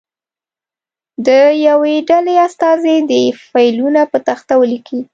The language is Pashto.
د یوې ډلې استازی دې فعلونه په تخته ولیکي.